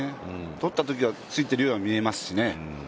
とったときはついているように見えますしね。